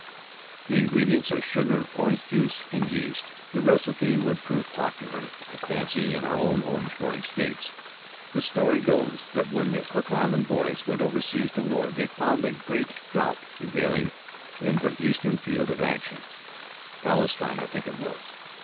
The ingredients are sugar, orange juice, and yeast — the recipe would prove popular, I fancy, in our own orange growing states. The story goes that when the Cook Island boys went overseas to war they found a great drought prevailing in their eastern field of action — Palestine, I think it was.